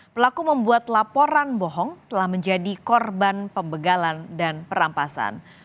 pelaku membuat laporan bohong telah menjadi korban pembegalan dan perampasan